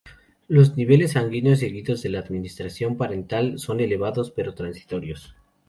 Los niveles sanguíneos seguidos de la administración parenteral son elevados pero transitorios.